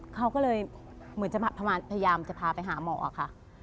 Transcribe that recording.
เขาก็เลยเหมือนจะพยายามจะพาไปหาหมอค่ะ